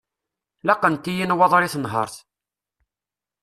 Laqent-iyi nnwaḍer i tenhert.